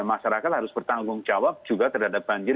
masyarakat harus bertanggung jawab juga terhadap banjir